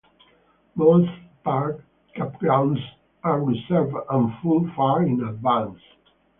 Most park campgrounds are reserved and full far in advance.